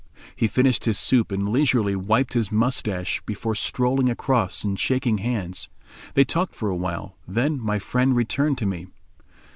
He finished his soup and leisurely wiped his moustache before strolling across and shaking hands. They talked for a while. Then my friend returned to me.